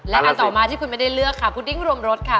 และอันต่อมาที่คุณไม่ได้เลือกค่ะพุดดิ้งรวมรถค่ะ